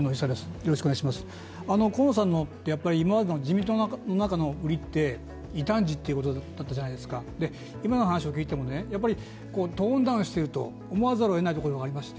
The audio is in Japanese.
河野さんの今までの自民党の中の売りって異端児ということだったじゃないですか今の話を聞いても、トーンダウンしていると思わざるをえないところがありまして。